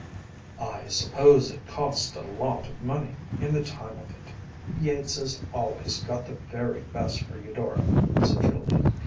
“I suppose it cost a lot of money, in the time of it. The Yateses always got the very best for Eudora,‚ÄĚ said Julia.